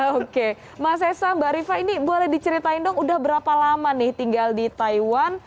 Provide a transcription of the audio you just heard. oke mas esa mbak rifa ini boleh diceritain dong udah berapa lama nih tinggal di taiwan